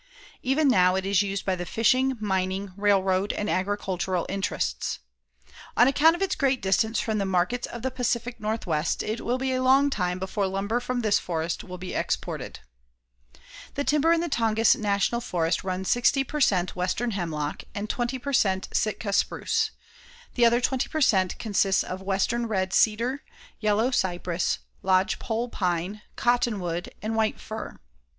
Even now, it is used by the fishing, mining, railroad and agricultural interests. On account of its great distance from the markets of the Pacific Northwest it will be a long time before lumber from this forest will be exported. The timber in the Tongass National Forest runs 60 per cent. western hemlock and 20 per cent. Sitka spruce. The other 20 per cent. consists of western red cedar, yellow cypress, lodge pole pine, cottonwood and white fir.